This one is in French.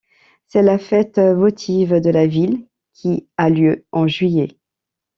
C'est la fête votive de la ville, qui a lieu en juillet.